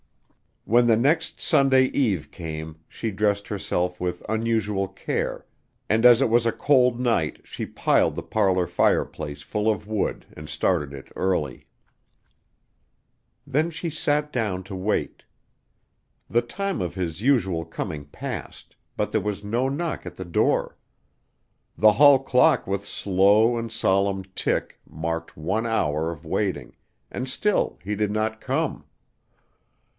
When the next Sunday eve came she dressed herself with unusual care, and as it was a cold night she piled the parlor fireplace full of wood and started it early. Then she sat down to wait. The time of his usual coming passed, but there was no knock at the door. The hall clock with slow and solemn tick marked one hour of waiting, and still he did not come.